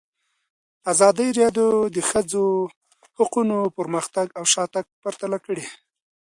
ازادي راډیو د د ښځو حقونه پرمختګ او شاتګ پرتله کړی.